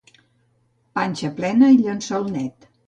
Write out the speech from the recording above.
Panxa plena i llençol net.